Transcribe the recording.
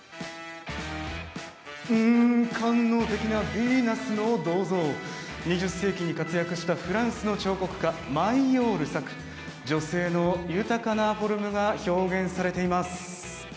官能的な「ヴィーナス」の銅像、２０世紀に活躍したフランスの彫刻家マイヨール作女性の豊かなフォルムが表現されています。